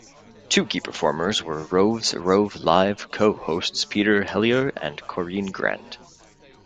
Two key performers were Rove's Rove Live co-hosts Peter Helliar and Corinne Grant.